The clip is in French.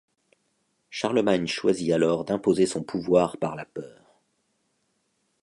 Charlemagne choisit alors d'imposer son pouvoir par la peur.